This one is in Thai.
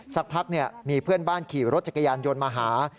สักพักมีเพื่อนบ้านขี่รถจักรยานยนต์มาหา